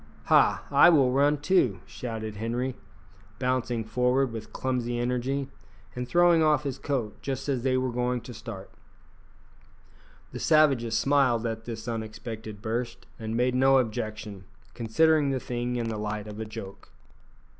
"Ha! I will run too," shouted Henri, bouncing forward with clumsy energy, and throwing off his coat just as they were going to start. The savages smiled at this unexpected burst, and made no objection, considering the thing in the light of a joke.